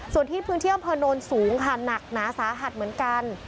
ส่วนที่พื้นที่อำเภอโนนสูงค่ะหนักหนาสาหัสเหมือนกัน